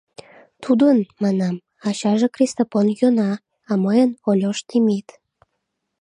Тудын, — манам, — ачаже Кристопон Йона, а мыйын — Ольош Темит.